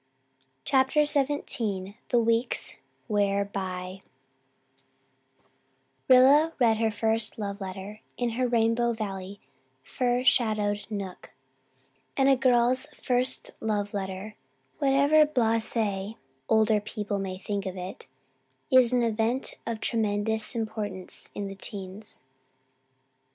CHAPTER XVII THE WEEKS WEAR BY Rilla read her first love letter in her Rainbow Valley fir shadowed nook, and a girl's first love letter, whatever blase, older people may think of it, is an event of tremendous importance in the teens.